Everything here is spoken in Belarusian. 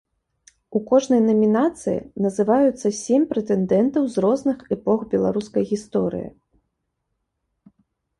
У кожнай намінацыі называюцца сем прэтэндэнтаў з розных эпох беларускай гісторыі.